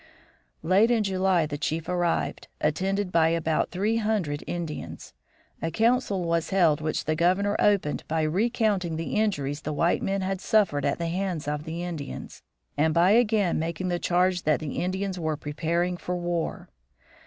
Late in July the chief arrived, attended by about three hundred Indians. A council was held which the Governor opened by recounting the injuries the white men had suffered at the hands of the Indians, and by again making the charge that the Indians were preparing for war.